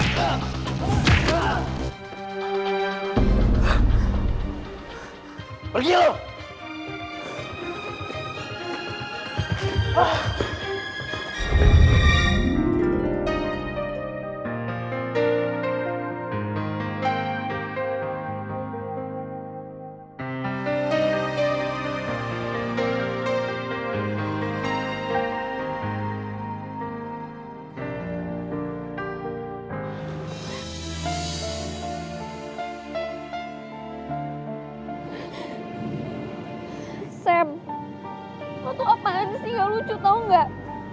sam lo tuh apaan sih gak lucu tau gak